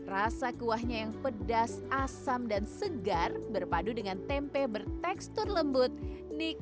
rasa kuahnya yang pedas asam dan segar berpadu dengan tempe bertekstur lembut nikmat disantap dengan nasi hangat